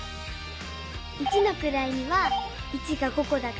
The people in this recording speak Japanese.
一のくらいには１が５こだから５。